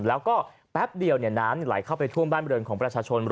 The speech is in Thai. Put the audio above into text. แล้วก็แป๊บเดียวน้ำไหลเข้าไปท่วมบ้านบริเวณของประชาชน